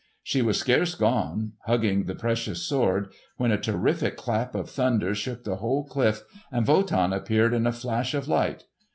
She was scarce gone, hugging the precious sword, when a terrific clap of thunder shook the whole cliff and Wotan appeared in a flash of light.